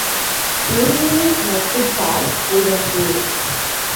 உரியை இரட்டித்தால் உழக்கு.